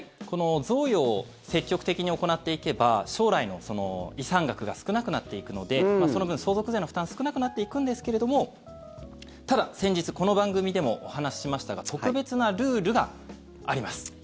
贈与を積極的に行っていけば将来の遺産額が少なくなっていくのでその分、相続税の負担少なくなっていくんですけれどもただ、先日この番組でもお話しましたが特別なルールがあります。